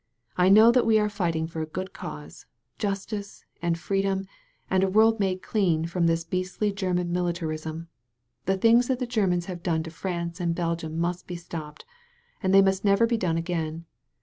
I know that we are fighting for a good cause, jus tice, and freedom, and a world made clean from this beastly German militarism. The things that the Germans have done to France and Belgium must be stopped, and th^ must never be done again.